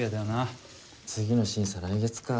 次の審査来月か。